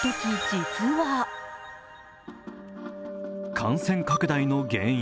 感染拡大の原因